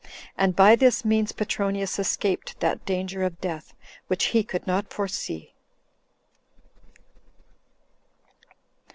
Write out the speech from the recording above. And by this means Petronius escaped that danger of death, which he could not foresee.